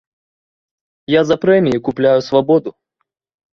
Я за прэміі купляю свабоду.